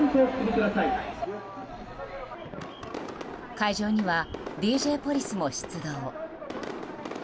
会場にはＤＪポリスも出動。